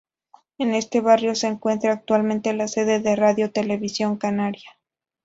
En este barrio se encuentra actualmente la sede de Radio Televisión Canaria.